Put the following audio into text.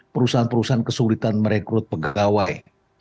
perusahaan perusahaan kesulitan merekrut pegawai